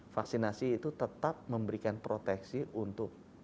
vaksinasi itu tetap memberikan proteksi untuk